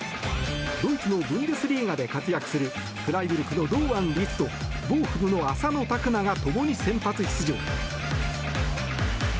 ドイツのブンデスリーガで活躍するフライブルクの堂安律とボーフムの浅野拓磨が共に先発出場。